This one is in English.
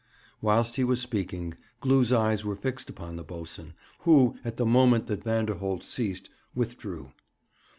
Whilst he was speaking, Glew's eyes were fixed upon the boatswain, who, at the moment that Vanderholt ceased, withdrew.